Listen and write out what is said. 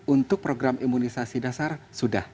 untuk program imunisasi dasar sudah